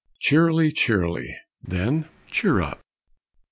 Cheerily, cheerily, then cheer up.